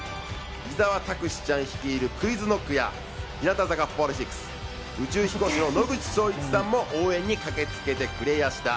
伊沢拓司ちゃん率いるクイズノックや日向坂４６、宇宙飛行士の野口聡一さんも応援に駆けつけてくれやした。